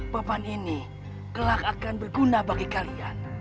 papan ini kelak akan berguna bagi kalian